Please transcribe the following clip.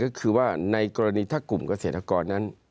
ก็คือว่าในกรณีถ้ากลุ่มเกษตรกรนั้น